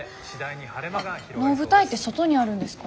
能舞台って外にあるんですか？